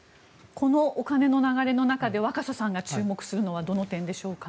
このお金の流れの中で若狭さんが注目するのはどの点でしょうか？